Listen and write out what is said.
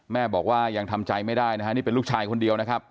แม่บอกว่ายังทำใจไม่ได้นะฮะนี่เป็นลูกชายคนเดียวนะครับ